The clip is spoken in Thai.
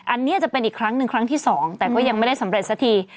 อันนี้จะเป็นอีกครั้งหนึ่งครั้งที่๒แต่ก็ยังไม่ได้สำเร็จสักที